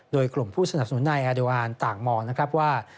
โดยกลุ่มผู้สนับสนุนนายแอดวานต่างมองว่า